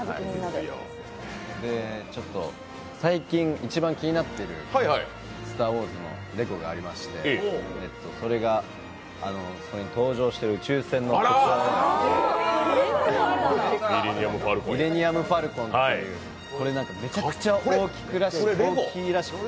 最近、一番気になっている「スター・ウォーズ」のレゴがありまして、それが登場している宇宙船のミレニアム・ファルコンというこれめちゃくちゃ大きいらしくて。